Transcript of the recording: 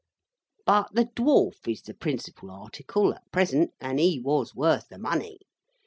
But, the Dwarf is the principal article at present, and he was worth the money.